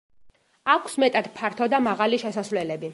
აქვს მეტად ფართო და მაღალი შესასვლელები.